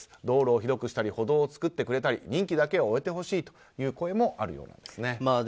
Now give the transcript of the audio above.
道路を広くしたり歩道を作ってくれたりと任期だけは終えてほしいという声もあるようですね。